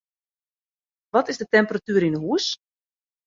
Wat is de temperatuer yn 'e hûs?